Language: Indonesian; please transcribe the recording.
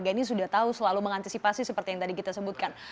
ini sudah tahu selalu mengantisipasi seperti yang tadi kita sebutkan